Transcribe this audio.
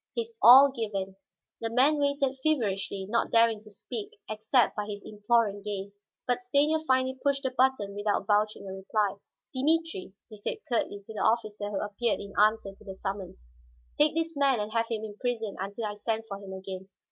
His all given, the man waited feverishly, not daring to speak except by his imploring gaze. But Stanief finally pushed the button without vouching a reply. "Dimitri," he said curtly to the officer who appeared in answer to the summons, "take this man and have him imprisoned until I send for him again.